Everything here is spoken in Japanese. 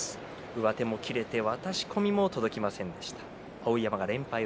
上手も切れて渡し込みにも届きませんでした。